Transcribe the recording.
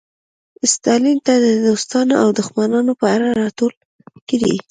ستالین ته د دوستانو او دښمنانو په اړه راټول کړي.